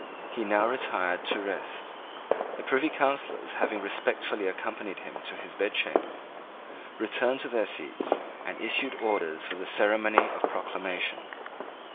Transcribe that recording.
He now retired to rest. The Privy Councillors, having respectfully accompanied him to his bedchamber, returned to their seats, and issued orders for the ceremony of proclamation.